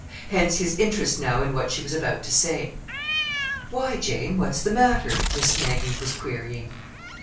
Hence his interest now in what she was about to say. "Why, Jane, what's the matter?" Miss Maggie was querying.